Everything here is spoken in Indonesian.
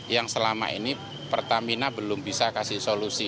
yang selama ini pertamina belum bisa kasih solusi